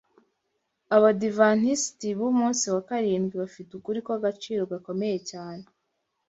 Abadiventisti b’Umunsi wa Karindwi bafite ukuri kw’agaciro gakomeye cyane